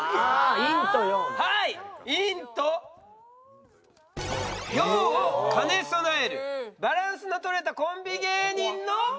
陰と陽を兼ね備えるバランスのとれたコンビ芸人の。